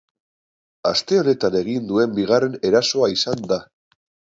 Aste honetan egin duen bigarren erasoa izan da.